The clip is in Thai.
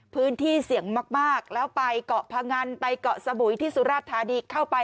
พื้นที่เสี่ยงมากแล้วไปเกาะพงันไปเกาะสมุยที่สุราชธานีเข้าไป